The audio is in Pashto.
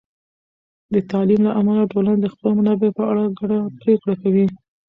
د تعلیم له امله، ټولنه د خپلو منابعو په اړه په ګډه پرېکړه کوي.